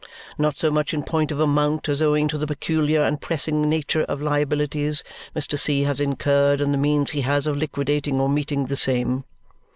Not so much in point of amount as owing to the peculiar and pressing nature of liabilities Mr. C. has incurred and the means he has of liquidating or meeting the same.